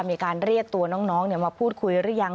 มีการเรียกตัวน้องมาพูดคุยหรือยัง